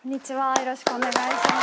よろしくお願いします。